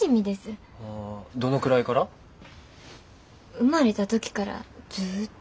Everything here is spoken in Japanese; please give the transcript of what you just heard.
生まれた時からずっと。